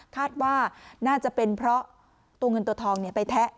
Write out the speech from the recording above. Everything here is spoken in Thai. คาดว่าน่าจะเป็นเพราะตัวเงินตัวทองไปแทะ